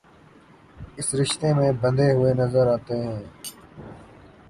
اس رشتے میں بندھے ہوئے نظرآتے ہیں